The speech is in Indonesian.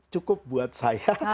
cukup buat saya